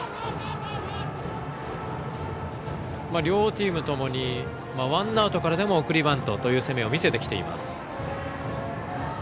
両チームともにワンアウトからも送りバントという攻めを見せてきています。